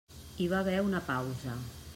Hi va haver una pausa.